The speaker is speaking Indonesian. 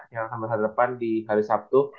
yang akan berhadapan di hari sabtu